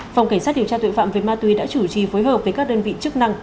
phòng cảnh sát điều tra tội phạm về ma túy đã chủ trì phối hợp với các đơn vị chức năng